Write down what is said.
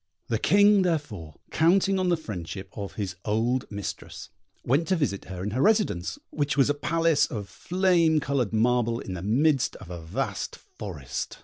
The King, therefore, counting on the friendship of his old mistress, went to visit her in her residence, which was a palace of flame coloured marble in the midst of a vast forest.